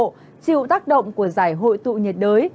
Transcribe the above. triệu tác động của giải hồi tụ nhiệt đới